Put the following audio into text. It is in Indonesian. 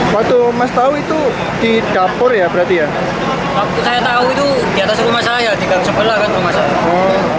waktu saya tahu itu di atas rumah saya di sebelah rumah saya